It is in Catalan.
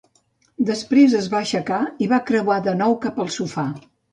Després es va aixecar i va creuar de nou cap al sofà.